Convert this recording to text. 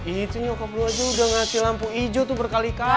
itu nyokap dua itu udah ngasih lampu hijau tuh berkali kali